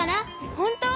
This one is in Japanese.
ほんとう？